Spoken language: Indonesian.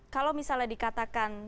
kalau misalnya dikatakan